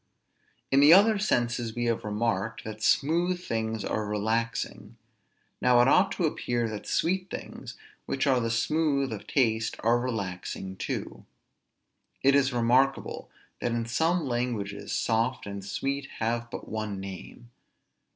In the other senses we have remarked, that smooth things are relaxing. Now it ought to appear that sweet things, which are the smooth of taste, are relaxing too. It is remarkable, that in some languages soft and sweet have but one name.